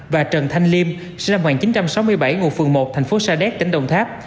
và trần thanh liêm sinh năm một nghìn chín trăm sáu mươi bảy ngụ phường một thành phố sa đéc tỉnh đồng tháp